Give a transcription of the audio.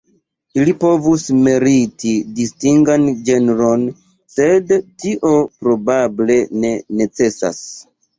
Ili povus meriti distingan genron, sed tio probable ne necesas.